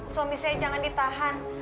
suami saya jangan ditahan